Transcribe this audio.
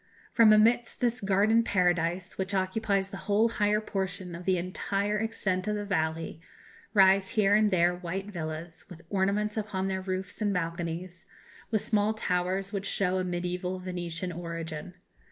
From amidst this garden paradise, which occupies the whole higher portion of the entire extent of the valley, rise here and there white villas, with ornaments upon their roofs and balconies, with small towers, which show a mediæval Venetian origin.